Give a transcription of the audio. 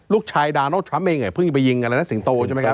ลูกชายดานอลทรัมป์เองเพิ่งไปยิงอะไรนะสิงโตใช่ไหมครับ